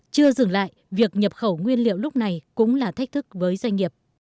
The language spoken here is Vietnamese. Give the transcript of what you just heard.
chưa dừng lại việc nhập khẩu nguyên liệu lúc này cũng là thách thức với doanh nghiệp